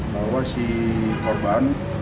bahwa si korban